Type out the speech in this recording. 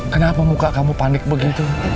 kenapa muka kamu panik begitu